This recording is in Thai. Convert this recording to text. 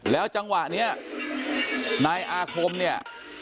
แล้วจังหวะนี้นายอาคมเนี่ย